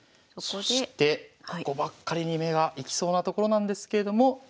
そしてここばっかりに目が行きそうなところなんですけれども。